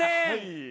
はい。